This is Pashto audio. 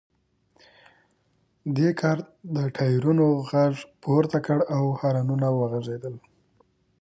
دې کار د ټایرونو غږ پورته کړ او هارنونه وغږیدل